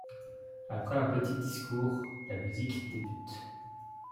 Après un petit discours la musique débute.